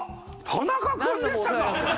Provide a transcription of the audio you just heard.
田中君でしたか！